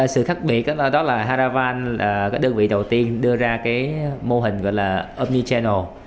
sự khác biệt đó là haravan là đơn vị đầu tiên đưa ra mô hình gọi là omnichannel